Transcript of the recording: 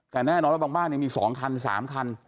แต่แน่นอนบ้างบ้านมีสองคันสามคัน